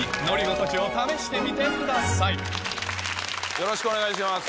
よろしくお願いします。